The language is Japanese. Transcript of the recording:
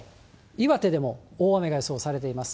岩手でも大雨が予想されています。